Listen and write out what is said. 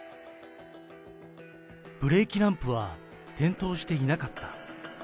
ブレーキランプは点灯していなかった。